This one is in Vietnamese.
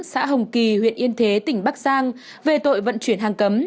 xã hồng kỳ huyện yên thế tỉnh bắc giang về tội vận chuyển hàng cấm